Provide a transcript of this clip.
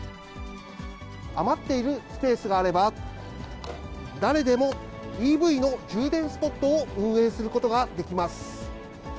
余っているスペースがあれば、誰でもＥＶの充電スポットを運営することができます。